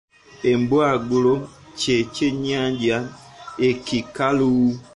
Embwagulo kye kyennyanja ekikalu.